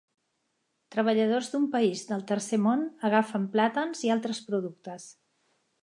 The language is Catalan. Treballadors d'un país del tercer món agafen plàtans i altres productes.